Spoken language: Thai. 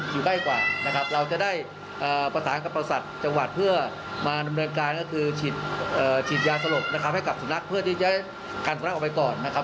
ให้กลับสุรรักษณ์เพื่อที่จะการสุรรักษณ์ออกไปก่อนนะครับ